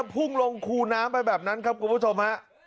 พุ่งลงคูน้ำไปแบบนั้นครับคุณผู้ชมฮะ